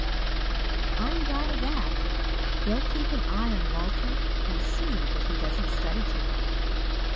"I'm glad of that. They'll keep an eye on Walter and see that he doesn't study too hard.